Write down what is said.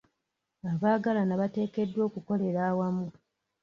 Abaagalana bateekeddwa okukolera awamu.